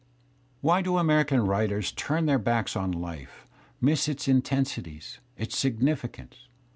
, Why; do American writers turn their backs on life, miss its intensities, its si^afficance?